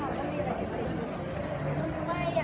มันเป็นสิ่งที่จะให้ทุกคนรู้สึกว่า